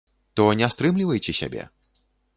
То не стрымлівайце сябе.